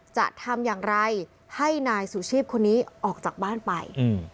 จะทำอย่างไรให้นายสุชีพคนนี้ออกจากบ้านไป